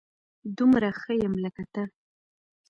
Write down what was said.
دومره ښه يم لکه ته